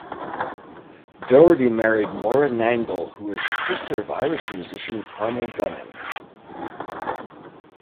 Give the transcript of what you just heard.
Doherty married Maura Nangle, who is the sister of Irish musician Carmel Gunning.